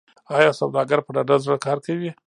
آیا سوداګر په ډاډه زړه کار کوي؟